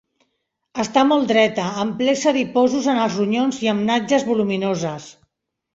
Està molt dreta, amb plecs adiposos en els ronyons i amb natges voluminoses.